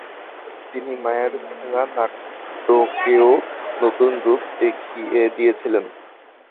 তিনি মায়ার খেলা নাটকেরও নতুন রূপ দিয়েছিলেন।